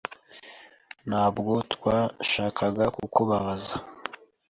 Ntabwo twashakaga kukubabaza.